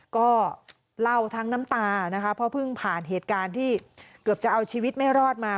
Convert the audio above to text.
ก็เล่าทั้งน้ำตานะคะเพราะเพิ่งผ่านเหตุการณ์ที่เกือบจะเอาชีวิตไม่รอดมา